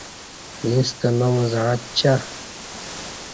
ییݩستہ نام زعݩچہ۔